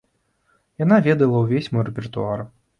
Яна ведала ўвесь мой рэпертуар.